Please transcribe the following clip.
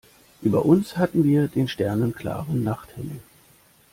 Über uns hatten wir den sternenklaren Nachthimmel.